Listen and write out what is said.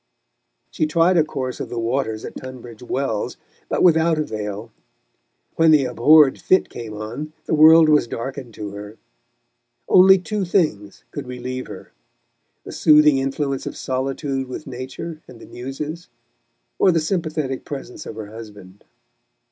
She tried a course of the waters at Tunbridge Wells, but without avail. When the abhorred fit came on, the world was darkened to her. Only two things could relieve her the soothing influence of solitude with nature and the Muses, or the sympathetic presence of her husband.